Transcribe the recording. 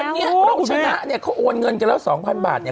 วันนี้เราชนะเนี่ยเขาโอนเงินกันแล้วสองพันบาทเนี่ย